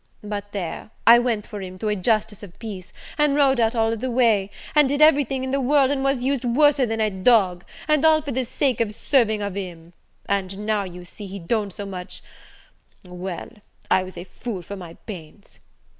But, there, I went for him to a justice of peace, and rode all out of the way, and did every thing in the world, and was used worser than a dog, and all for the sake of serving of him; and now, you see, he don't so much well, I was a fool for my pains.